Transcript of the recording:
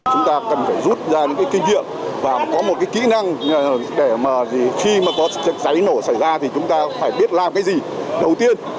chúng ta cần phải rút ra những kinh nghiệm và có một kỹ năng để khi có cháy nổ xảy ra thì chúng ta phải biết làm cái gì đầu tiên